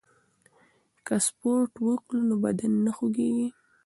که سپورت وکړو نو بدن نه خوږیږي.